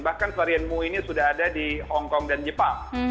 bahkan varian mu ini sudah ada di hongkong dan jepang